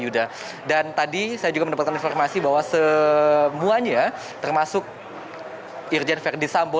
dan tadi saya juga mendapatkan informasi bahwa semuanya termasuk irjen verdi sambo